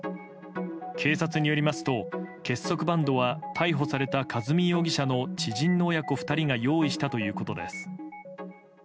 警察によりますと、結束バンドは逮捕された和美容疑者の知人の親子２人が用意したということです。